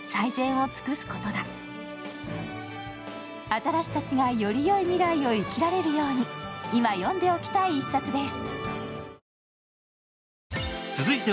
アザラシたちがよりよい未来を生きられるように今、読んでおきたい一冊です。